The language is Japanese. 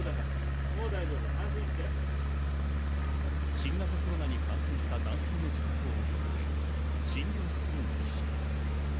新型コロナに感染した男性の自宅を訪れ診療する医師。